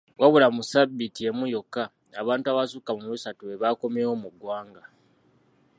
Wabula mu sabbiiti emu yokka, abantu abasukka mu bisatu be baakomyewo mu ggwanga.